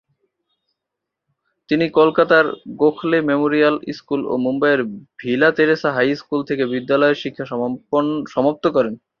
তিনি কলকাতার Gokhale memorial school এবং মুম্বইয়ের ভিলা তেরেসা হাই স্কুল থেকে বিদ্যালয়ের শিক্ষা সমাপ্ত করেন।